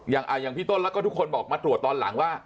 อย่างพี่ต้นแล้วก็ทุกคนบอกมาตรวจตอนหลังว่า